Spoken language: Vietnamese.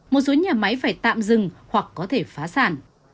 một số nhà máy phải tạm dừng hoặc có thể phá sản